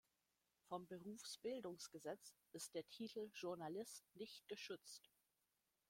Vom Berufsbildungsgesetz ist der Titel "Journalist" nicht geschützt.